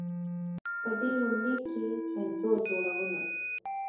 په دې يونليک کې انځور جوړونه